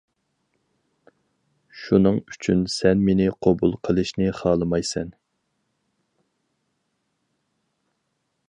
شۇنىڭ ئۈچۈن سەن مېنى قوبۇل قىلىشنى خالىمايسەن.